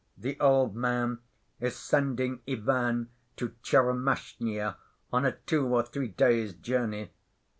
The old man is sending Ivan to Tchermashnya on a two or three days' journey.